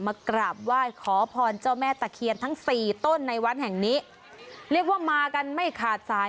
มากราบไหว้ขอพรเจ้าแม่ตะเคียนทั้งสี่ต้นในวัดแห่งนี้เรียกว่ามากันไม่ขาดสาย